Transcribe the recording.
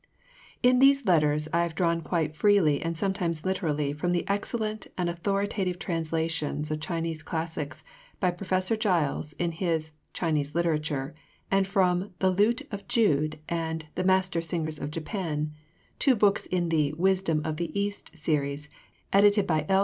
In these letters I have drawn quite freely and sometimes literally from the excellent and authoritative translations of Chinese classics by Professor Giles in his "Chinese Literature" and from "The Lute of Jude" and "The Mastersingers of Japan," two books in the "Wisdom of the East" series edited by L.